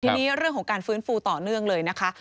ทีนี้เรื่องของการฟื้นฟูต่อเนื่องเลยนะคะ